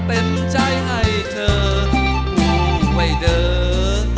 รักเต็มใจให้เธอพูดไว้เดิม